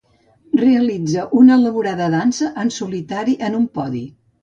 Realitza una elaborada dansa en solitari en un podi.